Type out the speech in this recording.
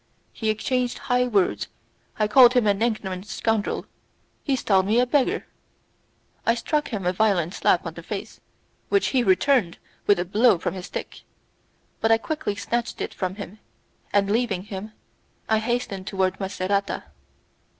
We exchanged high words; I called him an ignorant scoundrel, he styled me beggar. I struck him a violent slap on the face, which he returned with a blow from his stick, but I quickly snatched it from him, and, leaving him, I hastened towards Macerata.